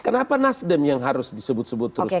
kenapa nasdem yang harus disebut sebut terus